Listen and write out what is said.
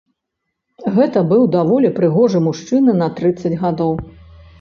Гэта быў даволі прыгожы мужчына на трыццаць гадоў.